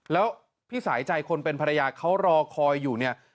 แล้วพี่สายใจคนเป็นภรรยาเขารอคอยอยู่เนี่ย